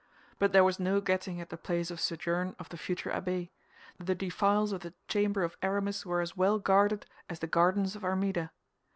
But there was no getting at the place of sojourn of the future abbé; the defiles of the chamber of Aramis were as well guarded as the gardens of Armida.